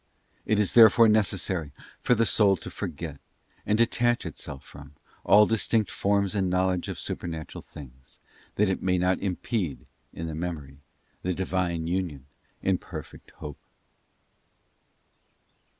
It is therefore necessary for the soul to forget, and detach itself from, all distinct forms and knowledge of super natural things, that it may not impede, in the Memory, the Divine union in perfect Hope.